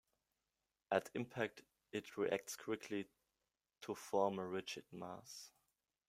At impact it reacts quickly to form a rigid mass.